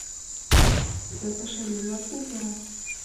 — Тыгай паша лийынак мо вара?